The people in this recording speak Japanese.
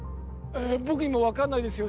僕にも分かんないですよ